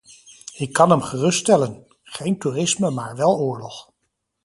Ik kan hem geruststellen: geen toerisme maar wel oorlog.